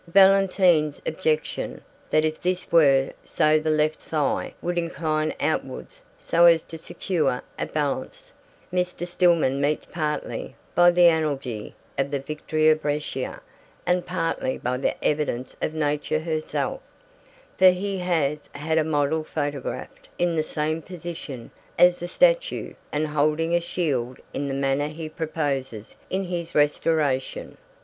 Valentin's objection, that if this were so the left thigh would incline outwards so as to secure a balance, Mr. Stillman meets partly by the analogy of the Victory of Brescia and partly by the evidence of Nature herself; for he has had a model photographed in the same position as the statue and holding a shield in the manner he proposes in his restoration.